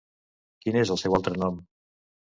Quin és el seu altre nom?